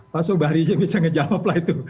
pak soebari bisa menjawab lah itu